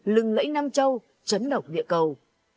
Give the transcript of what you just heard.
lưng lẫy nam châu trấn đổng địa cầu